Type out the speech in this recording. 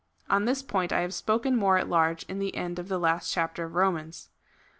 On this point I have spoken more at large in the end of the last chapter of the Romans.